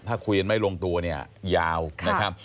ถ้าคุยกันไม่ลงตัวเนี่ยยาวนะครับ